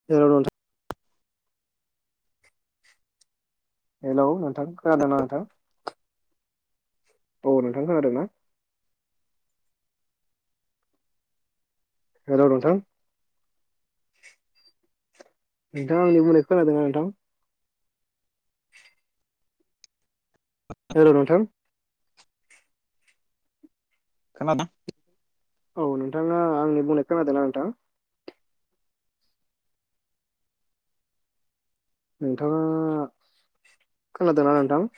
[unintelligible] Hello नोंथां खोनादोंना नोंथां? औ नोंथां खोनादों ना? हेल' नोंथां? नोंथां आंनि बुंनाय खोनादों ना नोंथां? हेल' नोंथां? खोनादोंना? औ नोंथाङा आंनि बुंनाय खोनादोंना नोंथां? नोंथाङा खोनादोंना नोंथां?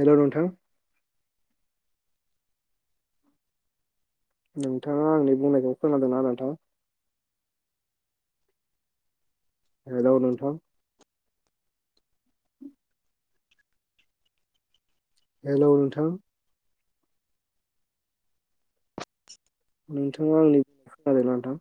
हेल नोंथां। नोंथाङा आंनि बुंनायखौ खोनादोंना नोंथां? हेल' नोंथां? हेलौ नोंथां? नोंथाङा आंनि खोनादोना नोंथां